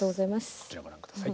こちらご覧下さい。